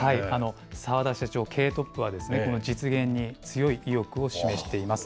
澤田社長、経営トップはこの実現に強い意欲を示しています。